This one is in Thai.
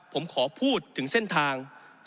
ผมขอพูดถึงเส้นทาง